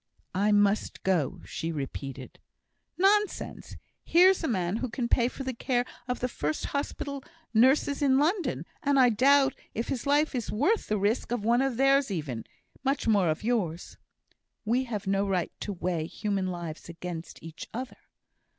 "I must go," she repeated. "Nonsense! Here's a man who can pay for the care of the first hospital nurses in London and I doubt if his life is worth the risk of one of theirs even, much more of yours." "We have no right to weigh human lives against each other."